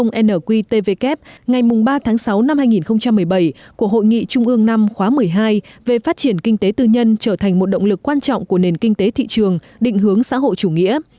nqtvk ngày ba tháng sáu năm hai nghìn một mươi bảy của hội nghị trung ương năm khóa một mươi hai về phát triển kinh tế tư nhân trở thành một động lực quan trọng của nền kinh tế thị trường định hướng xã hội chủ nghĩa